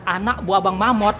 anak buah bang mammo